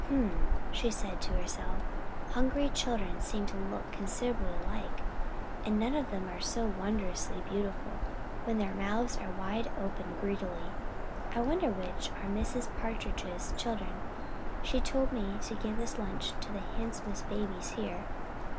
"H'm!" she said to herself, "hungry children seem to look considerably alike, and none of them are so wondrously beautiful when their mouths are wide open greedily. I wonder which are Mrs. Partridge's children. She told me to give this lunch to the handsomest babies here.